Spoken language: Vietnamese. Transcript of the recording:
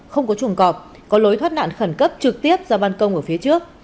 không có trùng cọp có lối thoát nạn khẩn cấp trực tiếp ra bàn công ở phía trước